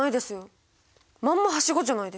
まんまはしごじゃないですか。